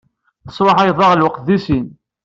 Tesruḥayeḍ-aɣ lweqt deg sin.